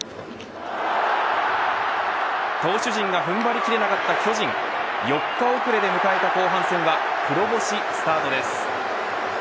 投手陣が踏ん張りきれなかった巨人４日遅れで迎えた後半戦は黒星スタートです。